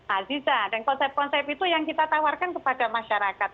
aziza dan konsep konsep itu yang kita tawarkan kepada masyarakat